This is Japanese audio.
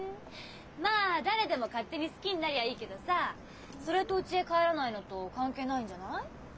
まあ誰でも勝手に好きになりゃいいけどさそれとうちへ帰らないのと関係ないんじゃない？